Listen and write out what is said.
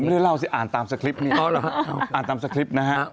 ไม่เล่าอ่านตามสคริปต์นี้